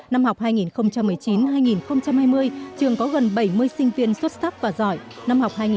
năm học hai nghìn một mươi chín hai nghìn hai mươi trường có gần bảy mươi sinh viên xuất sắc và giỏi